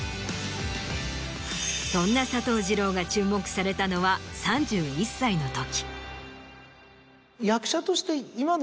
そんな佐藤二朗が注目されたのは３１歳のとき。